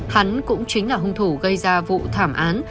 hắn cũng chính là hung thủ gây ra vụ thảm án